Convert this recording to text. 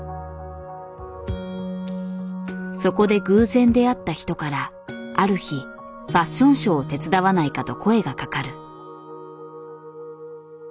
そこで偶然出会った人からある日「ファッションショーを手伝わないか？」と声がかかる。